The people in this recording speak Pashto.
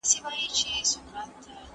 زه به سبا سبزیحات تيار کړم!؟